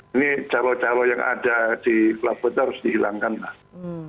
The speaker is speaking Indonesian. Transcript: ini calo calo yang ada di pelabuhan itu harus dihilangkan mas